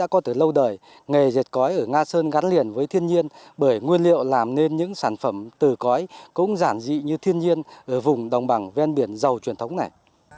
cây cõi ở nga sơn gắn liền với thiên nhiên bởi nguyên liệu làm nên những sản phẩm từ cõi cũng giản dị như thiên nhiên ở vùng đồng bằng ven biển giàu truyền thống này